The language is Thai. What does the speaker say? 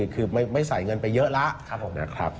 คือไม่ใส่เงินไปเยอะแล้วนะครับ